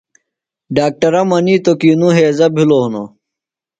ڈاکٹرہ منِیتوۡ کی نوۡ ہیضہ بِھلو ہِنوۡ۔